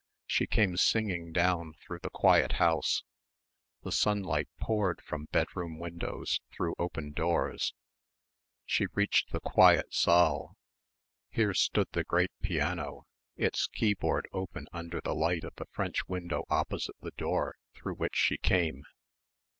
She came singing down through the quiet house the sunlight poured from bedroom windows through open doors. She reached the quiet saal. Here stood the great piano, its keyboard open under the light of the French window opposite the door through which she came.